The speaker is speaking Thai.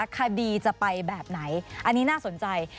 คดีจะไปแบบไหนอันนี้น่าสนใจ